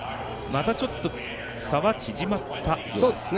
また、ちょっと差は縮まったようです。